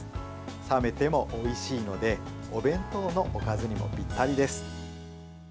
冷めてもおいしいのでお弁当のおかずにもぴったりです。